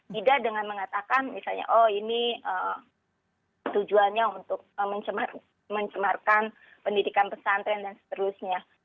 tidak dengan mengatakan misalnya oh ini tujuannya untuk mencemarkan pendidikan pesantren dan seterusnya